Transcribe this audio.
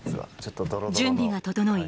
準備が整い